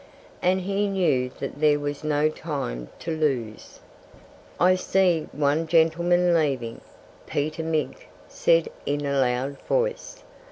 And he knew that there was no time to lose. "I see one gentleman leaving," Peter Mink said in a loud voice.